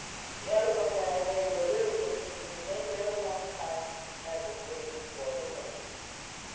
The other one ran away to a little distance and remained there a long time, as if waiting for her mate.